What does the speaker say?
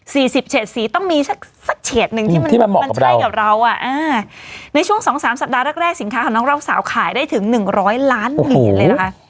สิบเฉดสีต้องมีสักสักเฉดหนึ่งที่มันมันใช่กับเราอ่ะอ่าในช่วงสองสามสัปดาห์แรกแรกสินค้าของน้องเราสาวขายได้ถึงหนึ่งร้อยล้านเหรียญเลยเหรอคะ